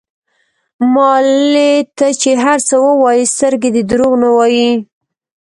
مالې ته چې هر څه ووايې سترګې دې دروغ نه وايي.